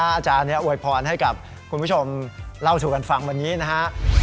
อาจารย์นี้อวยพรให้กับคุณผู้ชมเล่าสู่กันฟังวันนี้นะฮะ